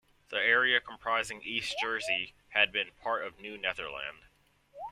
The area comprising East Jersey had been part of New Netherland.